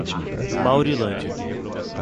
Maurilândia